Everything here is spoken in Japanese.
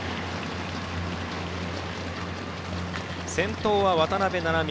先頭は渡邊菜々美